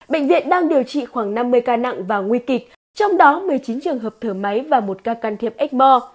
bệnh viện đang điều trị khoảng năm mươi ca nặng và nguy kịch trong đó một mươi chín trường hợp thở máy và một ca can thiệp ếchmore